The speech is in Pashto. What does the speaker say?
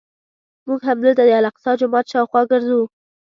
موږ همدلته د الاقصی جومات شاوخوا ګرځو.